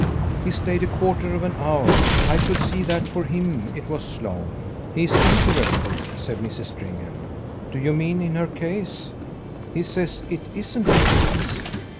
He stayed a quarter of an hour. I could see that for HIM it was long. He's interested," said Mrs. Stringham. "Do you mean in her case?" "He says it ISN'T a case."